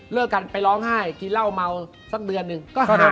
กันไปร้องไห้กินเหล้าเมาสักเดือนหนึ่ง